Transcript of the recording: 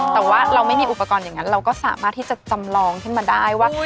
แต่ว่าเราไม่มีอุปกรณ์อย่างนั้นเราก็สามารถที่จะจำลองขึ้นมาได้ว่า